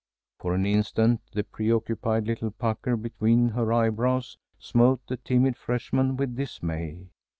For an instant the preoccupied little pucker between her eyebrows smote the timid freshman with dismay.